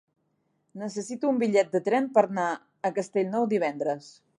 Necessito un bitllet de tren per anar a Castellnou divendres.